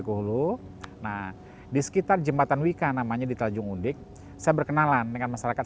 hulu nah di sekitar jembatan wika namanya di tajung unik saya berkenalan dengan masyarakat